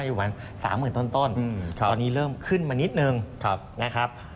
อยู่ประมาณ๓๐๐๐ต้นตอนนี้เริ่มขึ้นมานิดนึงนะครับ